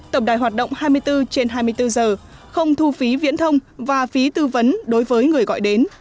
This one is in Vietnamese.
tổng đài hoạt động hai mươi bốn trên hai mươi bốn giờ không thu phí viễn thông và phí tư vấn đối với người gọi đến